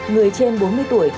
người trên bốn mươi tuổi